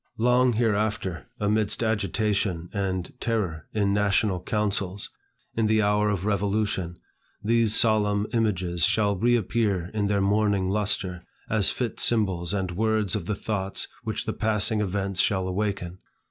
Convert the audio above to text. Long hereafter, amidst agitation and terror in national councils, in the hour of revolution, these solemn images shall reappear in their morning lustre, as fit symbols and words of the thoughts which the passing events shall awaken.